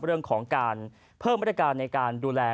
เรื่องของการเพิ่มมาตรการในการดูแล